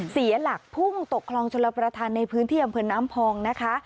เสียหลักพุ่งตกคลองชลประธานในพื้นที่อำเภอน้ำพองนะคะ